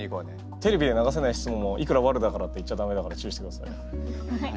テレビで流せない質問もいくらワルだからって言っちゃダメだから注意してください。